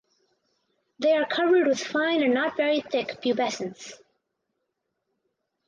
They are covered with fine and not very thick pubescence.